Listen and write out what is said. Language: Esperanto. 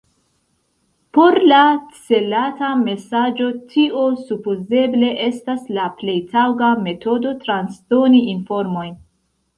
Por la celata mesaĝo tio supozeble estas la plej taŭga metodo transdoni informojn.